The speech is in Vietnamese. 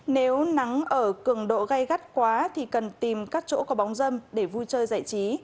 nếu nắng ở cường độ gây gắt quá thì cần tìm các chỗ có bóng dâm để vui chơi giải trí